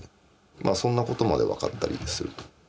そんなことまで分かったりすると。